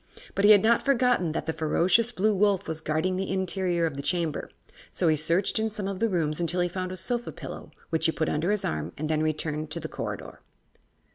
But he had not forgotten that the ferocious Blue Wolf was guarding the interior of the Chamber, so he searched in some of the rooms until he found a sofa pillow, which he put under his arm and then returned to the corridor.